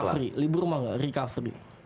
recoveri libur mah nggak recoveri